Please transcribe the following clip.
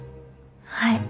はい。